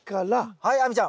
はい亜美ちゃん！